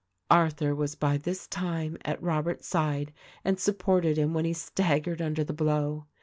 Arthur was by this time at Robert's side and supported him when he staggered under the blow.